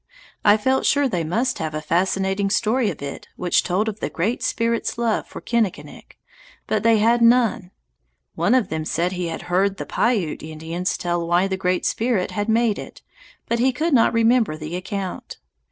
I felt sure they must have a fascinating story of it which told of the Great Spirit's love for Kinnikinick, but they had none. One of them said he had heard the Piute Indians tell why the Great Spirit had made it, but he could not remember the account.